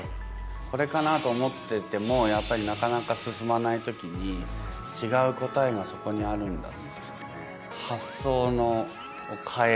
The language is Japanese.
これかなと思ってても、やっぱりなかなか進まないときに、違う答えがそこにあるんだみたいなね。